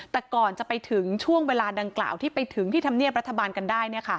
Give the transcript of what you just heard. แต่ก่อนจะไปถึงช่วงเวลาดังกล่าวที่ไปถึงที่ธรรมเนียบรัฐบาลกันได้